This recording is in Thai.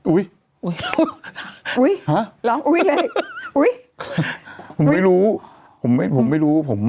อุ๊ยอุ๊ยห้ะหลองอุ๊ยเลยอุ๊ยผมไม่รู้ผมไม่ผมไม่รู้ผม